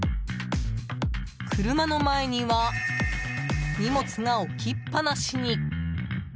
車の前には荷物が置きっぱなしに。